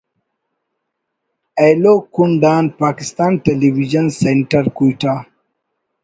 ایلو Kund on پاکستان tele vision centre Quetta